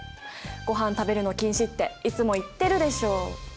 ごはん食べるの禁止っていつも言ってるでしょ。